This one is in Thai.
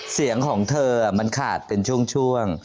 เสียงของเธอมันขาดเป็นช่วง